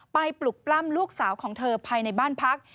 ปลุกปล้ำลูกสาวของเธอภายในบ้านพัก